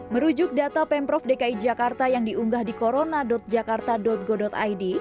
merujuk data pemprov dki jakarta yang diunggah di corona jakarta go id